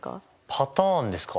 パターンですか？